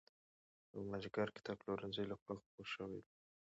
او د مازدېګر کتابپلورنځي له خوا خپور شوی دی.